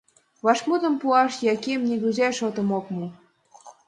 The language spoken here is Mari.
Вашмутым пуаш Яким нигузе шотым ок му.